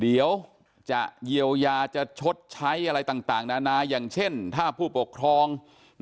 เดี๋ยวจะเยียวยาจะชดใช้อะไรต่างนานาอย่างเช่นถ้าผู้ปกครอง